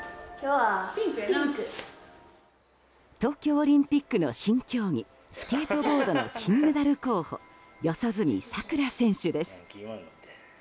東京オリンピックの新競技スケートボードの金メダル候補四十住さくら選手です。